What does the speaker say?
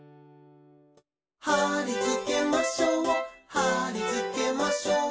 「はりつけましょうはりつけましょう」